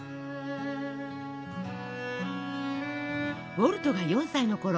ウォルトが４歳のころ